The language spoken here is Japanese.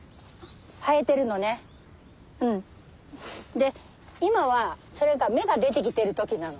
で今はそれが芽が出てきてる時なの。